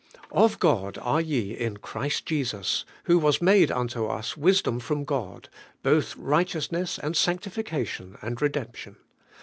*0p God are ye in Christ Jesus, who was made unto us wisdom from God, both righteousness and sanctifica tion, and redemption.'